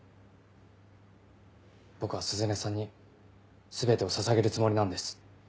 僕は鈴音さんに全てをささげるつもりなんです。